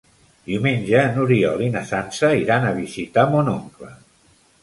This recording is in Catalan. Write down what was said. Diumenge n'Oriol i na Sança iran a visitar mon oncle.